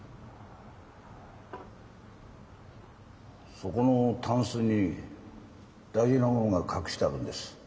そこのタンスに大事なものが隠してあるんです。